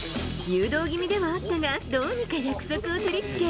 誘導気味ではあったが、どうにか約束を取り付け。